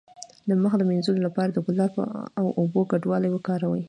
د مخ د مینځلو لپاره د ګلاب او اوبو ګډول وکاروئ